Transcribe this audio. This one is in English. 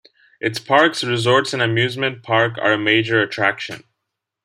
Its parks, resorts, and amusement park are a major attraction.